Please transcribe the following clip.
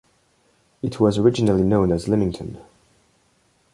It was originally known as Lymington.